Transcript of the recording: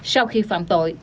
sau khi phạm tội